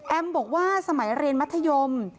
บอกว่าสมัยเรียนมัธยม